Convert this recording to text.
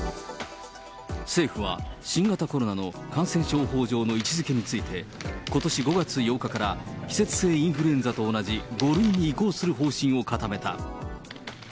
政府は、新型コロナの感染症法上の位置づけについて、ことし５月８日から、季節性インフルエンザと同じ、５類に移行する方針を固めた。